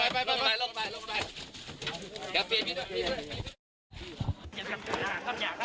เอารถก่อน